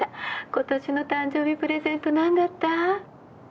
今年の誕生日プレゼントなんだった？